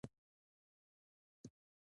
یوټوبر دې د خلکو کیسې مهرباني نه بولي.